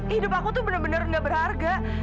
hidup aku tuh bener bener gak berharga